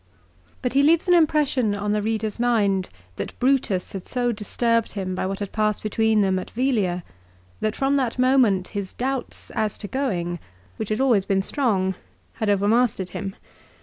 But he leaves an impression on the reader's mind that Brutus had so disturbed him by what had passed between them at Velia that from that moment his doubts as to going, which had been always strong, had overmastered him.